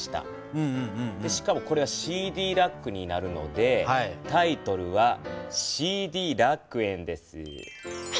しかもこれはＣＤラックになるのでタイトルは「ＣＤラック園」です。